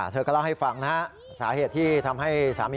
เธอก็เล่าให้ฟังนะครับ